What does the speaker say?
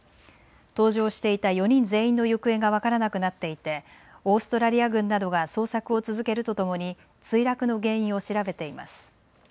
搭乗していた４人全員の行方が分からなくなっていてオーストラリア軍などが捜索を続けるとともに墜落の原因を調べています。